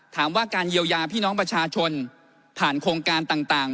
ถามว่าการเยียวยาพี่น้องประชาชนผ่านโครงการต่าง